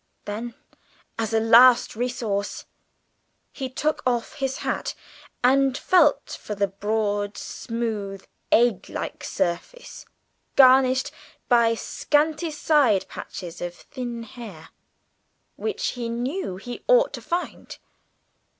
Then, as a last resource, he took off his hat and felt for the broad, smooth, egg like surface, garnished by scanty side patches of thin hair, which he knew he ought to find.